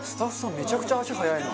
めちゃくちゃ足速いな。